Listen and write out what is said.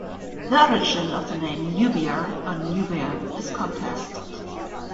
The origin of the name "Nubia" or "Nubian" is contested.